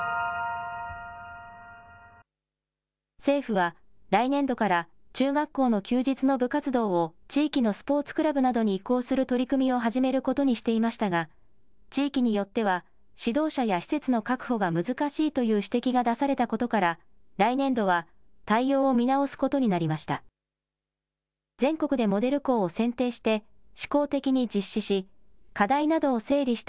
政府は来年度から中学校の休日の部活動を地域のスポーツクラブなどに移行する取り組みを始めることにしていましたが地域によっては指導者や施設の確保が難しいという指摘が出されたことから来年度は対応を見直すことになりました。